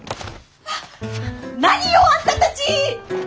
あっ何よあんたたち！